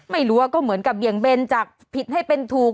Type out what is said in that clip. ไม่รู้ว่าก็เหมือนกับเบี่ยงเบนจากผิดให้เป็นถูก